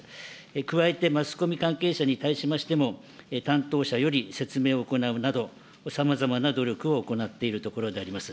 加えて、マスコミ関係者に対しましても、担当者より説明を行うなど、さまざまな努力を行っているところであります。